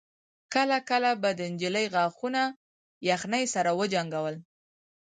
کله کله به د نجلۍ غاښونه يخنۍ سره وجنګول.